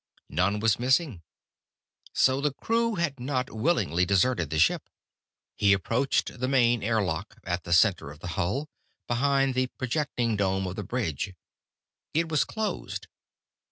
None was missing. So the crew had not willingly deserted the ship. He approached the main air lock, at the center of the hull, behind the projecting dome of the bridge. It was closed.